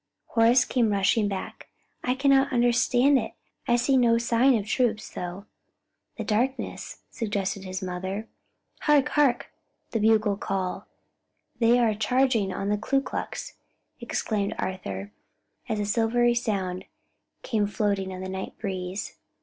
Horace came rushing back. "I can not understand it! I see no sign of troops, though " "The darkness," suggested his mother. "Hark! hark! the bugle call; they are charging on the Ku Klux!" exclaimed Arthur, as a silvery sound came floating on the night breeze.